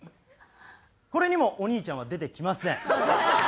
これにもお兄ちゃんは出てきません。